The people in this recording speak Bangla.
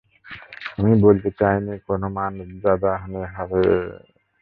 আমি বলতে চাইনি কোনো মর্যাদাহানী হবে।